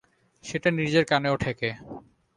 সেটা নিজের কানেও ঠেকে।